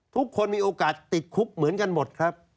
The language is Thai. ทุกคนมีโอกาสติดคุกเหมือนกันหมดครับ